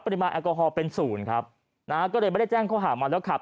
ปริมาณแอลกอฮอลเป็นศูนย์ครับนะฮะก็เลยไม่ได้แจ้งข้อหามาแล้วขับ